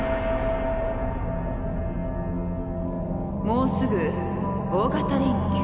もうすぐ大型連休。